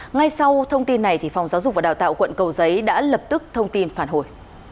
ngay sau thông tin này phòng giáo dục và đào tạo quận cầu giấy đã lập tức thông tin phản hồi